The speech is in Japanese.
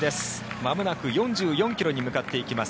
まもなく４４ｋｍに向かっていきます